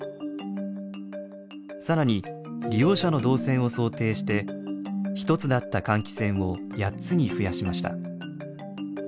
更に利用者の動線を想定して１つだった換気扇を８つに増やしました。